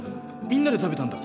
みんなで食べたんだ。